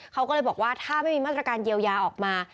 เขาก็เลยบอกว่าถ้าไม่มีมาตรการเยียวยาออกมา